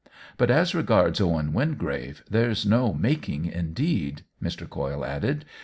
But, as regards Owen Wingrave, there's no * making ' needed," Mr. Coyle added.